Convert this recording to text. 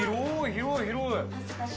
広い広い。